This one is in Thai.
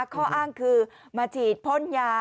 ข้ออ้างคือมาฉีดพ่นยา